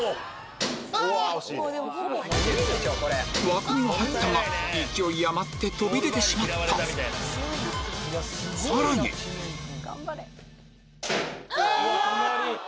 枠には入ったが勢い余って飛び出てしまったさらにあ！